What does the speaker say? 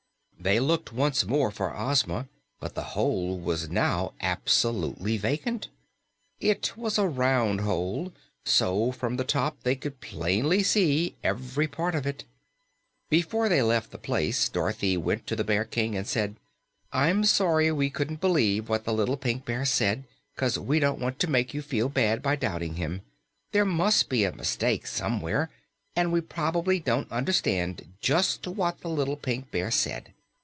They looked once more for Ozma, but the hole was now absolutely vacant. It was a round hole, so from the top they could plainly see every part of it. Before they left the place, Dorothy went to the Bear King and said, "I'm sorry we couldn't believe what the little Pink Bear said, 'cause we don't want to make you feel bad by doubting him. There must be a mistake, somewhere, and we prob'ly don't understand just what the little Pink Bear said.